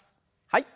はい。